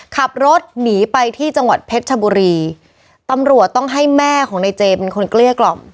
ขับรถหนีไปที่จังหวัดเพชรชบุรีตำรวจต้องให้แม่ของในเจมเป็นคนเกลี้ยกล่อม